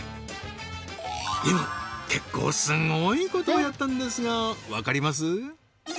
今結構すごいことをやったんですがわかります？